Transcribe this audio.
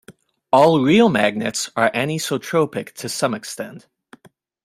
All real magnets are anisotropic to some extent.